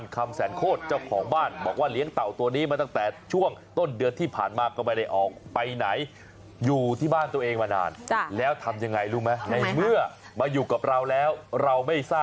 กำลังเดินต้มเตี้ยมเนี่ยนี่คือปู่ดำฮะ